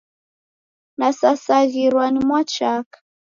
Nasasaghirwa ni mwachaka.